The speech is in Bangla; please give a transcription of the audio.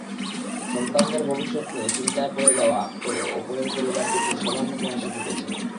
সন্তানদের ভবিষ্যৎ নিয়ে চিন্তায় পড়ে যাওয়া ওপরের পরিবার দুটির সবার মুখে হাসি ফুটেছে।